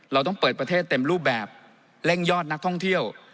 เราต้องเปิดประเทศเต็มรูปแบบเร่งยอดนักท่องเที่ยว